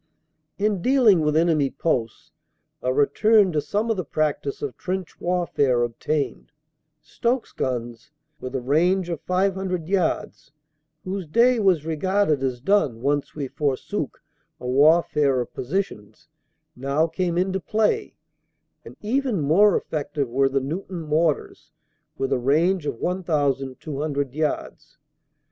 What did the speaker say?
In dealing with enemy posts a return to some of the prac tice of trench warfare obtained ; Stokes guns, with a range of 500 yards, whose day was regarded as done once we forsook a warfare of positions, now came into play, and even more effective were the Newton mortars, with a range of 1,200 yards.